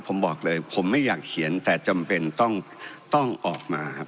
ผมบอกเลยผมไม่อยากเขียนแต่จำเป็นต้องออกมาครับ